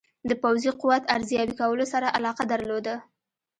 د پوځي قوت ارزیابي کولو سره علاقه درلوده.